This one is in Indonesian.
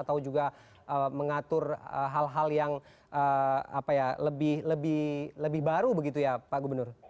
atau juga mengatur hal hal yang lebih baru begitu ya pak gubernur